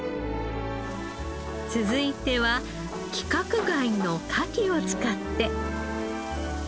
続いては規格外のカキを使って。